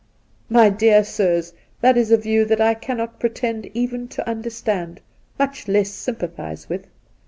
My dear sirs, that is a view that I cannot pretend even to understand, much less sympathize with.